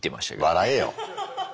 笑えよ。